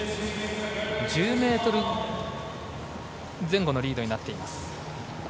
１０ｍ前後のリードになっています。